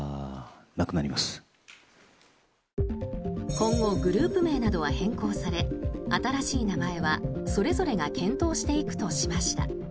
今後、グループ名などは変更され新しい名前は、それぞれが検討していくとしました。